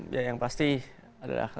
ya yang pasti adalah